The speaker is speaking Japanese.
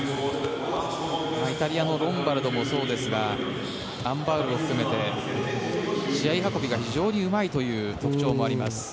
イタリアのロンバルドもそうですがアン・バウルを含めて試合運びが非常にうまいという特徴もあります。